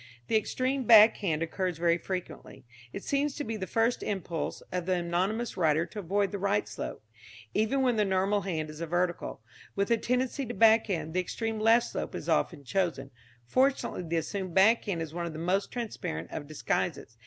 The extreme back hand occurs very frequently. It seems to be the first impulse of the anonymous writer to avoid the right slope. Even when the normal hand is a vertical, with a tendency to back hand, the extreme left slope is often chosen. Fortunately, the assumed back hand is one of the most transparent of disguises.